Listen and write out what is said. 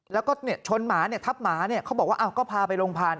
แล้วก็ชนหมาเนี่ยทับหมาเนี่ยเขาบอกว่าก็พาไปโรงพยาบาล